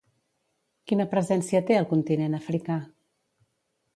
Quina presència té al continent africà?